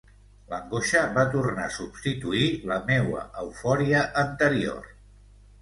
L’angoixa va tornar a substituir la meua eufòria anterior.